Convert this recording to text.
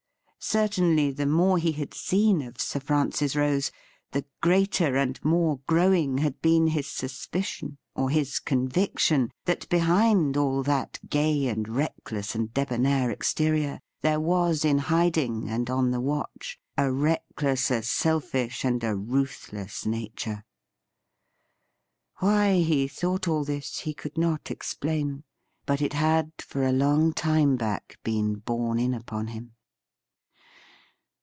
Certainly, the more he had seen of Sir Francis Rose, the greater and more growing had been his suspicion, or his conviction, that behind all that gay and reckless and debonair exterior there was in hiding and on the watch a reckless, a selfish, and a ruthless nature. Why he thought all this he could not explain ; but it had for a long time back been borne in upon him.